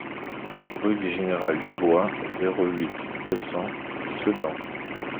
Rue du Général Dubois, zéro huit, deux cents Sedan